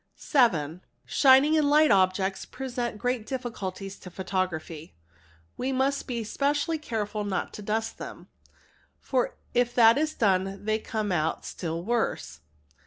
| 7. Shining and light objects present great difficulties to photography. We must be specially careful not to dust them, for if that is done they come out still worse.